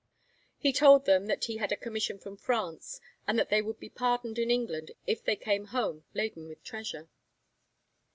He told them that he had a commission from France, and that they would be pardoned in England if they came home laden with treasure.